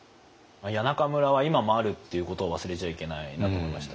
谷中村は今もあるっていうことを忘れちゃいけないなと思いました。